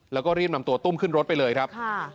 แล้วก็รีบนำตัวตุ้มขึ้นรถไปเลยครับ